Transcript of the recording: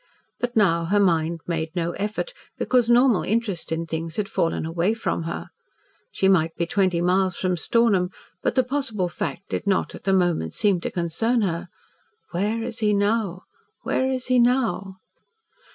But now her mind made no effort, because normal interest in things had fallen away from her. She might be twenty miles from Stornham, but the possible fact did not, at the moment, seem to concern her. (Where is he now where is he now?)